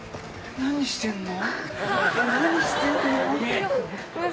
何してんのよ。